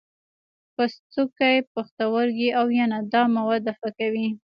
پوستکی، پښتورګي او ینه دا مواد دفع کوي.